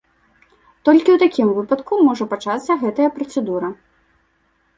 Толькі ў такім выпадку можа пачацца гэтая працэдура.